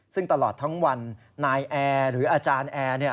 ซึ่งตลอดทั้งวันนายแอร์หรืออาจารย์แอร์